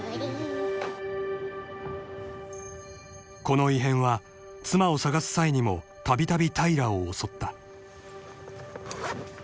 ［この異変は妻を捜す際にもたびたび平を襲った］